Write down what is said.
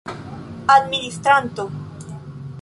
administranto